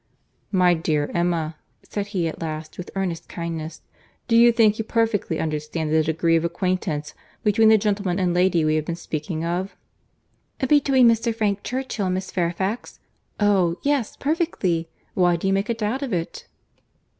"My dear Emma," said he at last, with earnest kindness, "do you think you perfectly understand the degree of acquaintance between the gentleman and lady we have been speaking of?" "Between Mr. Frank Churchill and Miss Fairfax? Oh! yes, perfectly.—Why do you make a doubt of it?"